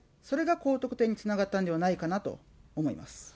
それが高得点につながったんではないかなと思います。